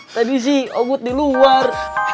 tadi sih obot di luar